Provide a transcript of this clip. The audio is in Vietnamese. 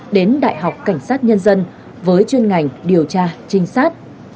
đến đại học cảnh sát nhân dân với chuyên ngành điều tra trinh sát